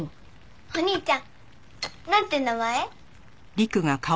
お兄ちゃんなんて名前？